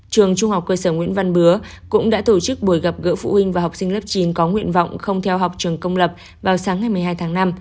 trường trung học cơ sở nguyễn văn bứa cũng đã tổ chức buổi gặp gỡ phụ huynh và học sinh lớp chín có nguyện vọng không theo học trường công lập vào sáng ngày một mươi hai tháng năm